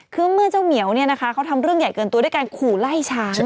คือเมื่อเจ้าเหมียวเนี่ยนะคะเขาทำเรื่องใหญ่เกินตัวด้วยการขู่ไล่ช้าง